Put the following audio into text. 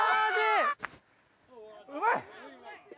うまい！